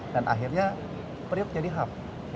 dan akhirnya periuk jadi hak